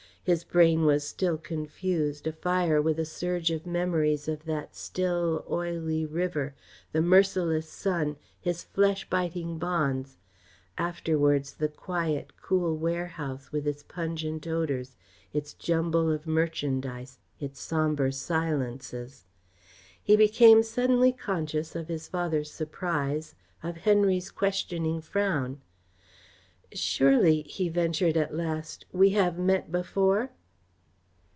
His brain was still confused, afire with a surge of memories of that still, oily river, the merciless sun, his flesh biting bonds; afterwards the quiet, cool warehouse, with its pungent odours, its jumble of merchandise, its sombre silences. He became suddenly conscious of his father's surprise, of Henry's questioning frown. "Surely," he ventured at last, "we have met before?"